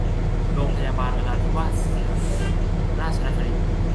โรงพยาบาลนราธิวาสราชนครินทร์